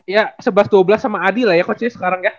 ya sebelas dua belas sama adi lah ya coachnya sekarang ya